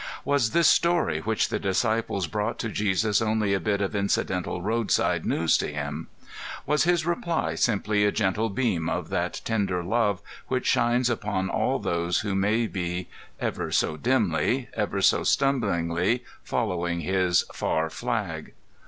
Was this story which the disciples brought to Jesus only a bit of incidental roadside news to Him? Was His reply simply a gentle beam of that tender love which shines upon all those who may be, ever so dimly, ever so stumblingly, following His "far flag"?